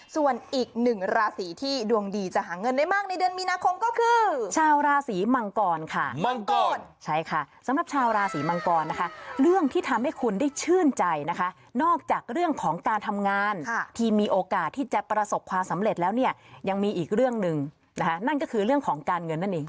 ส่วนอีกหนึ่งราศีที่ดวงดีจะหาเงินได้มากในเดือนมีนาคมก็คือชาวราศีมังกรค่ะมังกรใช่ค่ะสำหรับชาวราศีมังกรนะคะเรื่องที่ทำให้คุณได้ชื่นใจนะคะนอกจากเรื่องของการทำงานที่มีโอกาสที่จะประสบความสำเร็จแล้วเนี่ยยังมีอีกเรื่องหนึ่งนะคะนั่นก็คือเรื่องของการเงินนั่นเอง